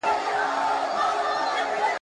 نن به څه خورې سړه ورځ پر تېرېدو ده ,